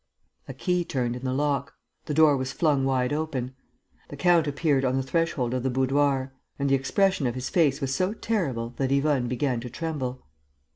A key turned in the lock.... The door was flung wide open. The count appeared on the threshold of the boudoir. And the expression of his face was so terrible that Yvonne began to tremble.